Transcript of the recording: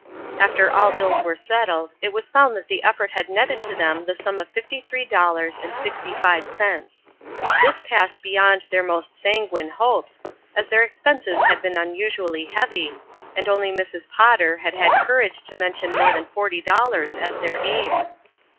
After all bills were settled it was found that the effort had netted to them the sum of fifty three dollars and sixty five cents. This passed beyond their most sanguine hopes, as their expenses had been unusually heavy, and only Mrs. Potter had had courage to mention more than forty dollars as their aim.